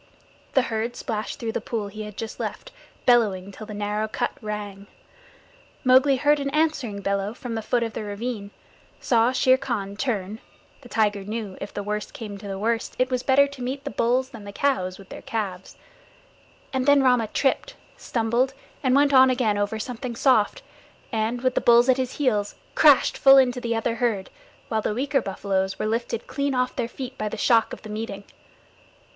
The herd splashed through the pool he had just left, bellowing till the narrow cut rang. Mowgli heard an answering bellow from the foot of the ravine, saw Shere Khan turn (the tiger knew if the worst came to the worst it was better to meet the bulls than the cows with their calves), and then Rama tripped, stumbled, and went on again over something soft, and, with the bulls at his heels, crashed full into the other herd, while the weaker buffaloes were lifted clean off their feet by the shock of the meeting.